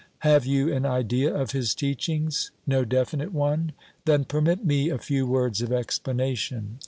Have you an idea of his teachings? No definite one? Then permit me a few words of explanation.